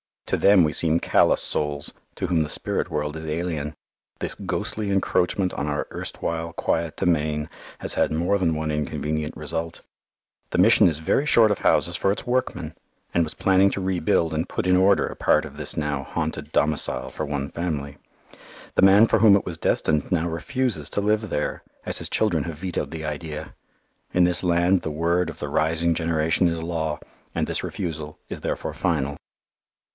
To them we seem callous souls, to whom the spirit world is alien. This ghostly encroachment on our erstwhile quiet domain has had more than one inconvenient result. The Mission is very short of houses for its workmen, and was planning to rebuild and put in order a part of this now haunted domicile for one family. The man for whom it was destined now refuses to live there, as his children have vetoed the idea. In this land the word of the rising generation is law, and this refusal is therefore final.